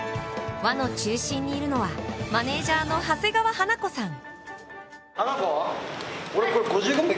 輪の中心にいるのは、マネージャーの長谷川華子さん。